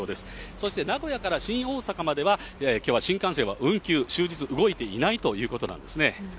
そして名古屋から新大阪までは、きょうは新幹線は運休、終日動いていないということなんですね。